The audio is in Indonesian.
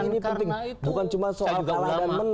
bukan cuma soal kalah dan menang